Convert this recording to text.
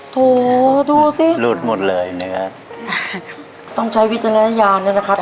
โถดูสิหลุดหมดเลยเนื้อต้องใช้วิจารณญาณด้วยนะครับ